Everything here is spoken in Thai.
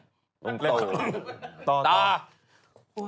จะเล่าตากบาทตากบาทเนี่ย